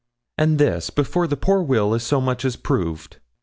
And this before the poor will is so much as proved!'